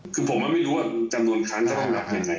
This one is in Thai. คือผมไม่รู้จำนวนครั้งจะต้องอาทิตย์ยังไง